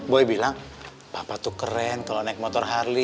gue bilang papa tuh keren kalau naik motor harley